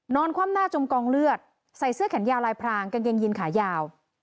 คว่ำหน้าจมกองเลือดใส่เสื้อแขนยาวลายพรางกางเกงยินขายาว